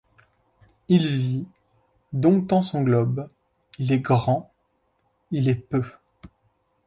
Il vit, domptant son globe ; il est grand, il est peu ;